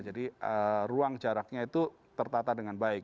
jadi ruang jaraknya itu tertata dengan baik